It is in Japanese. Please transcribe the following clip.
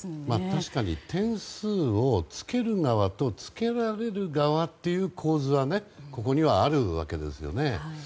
確かに点数をつける側とつけられる側っていう構図はここにはあるわけですよね。